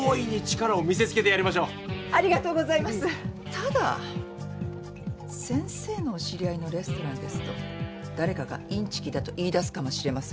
ただ先生のお知り合いのレストランですと誰かがいんちきだと言いだすかもしれません。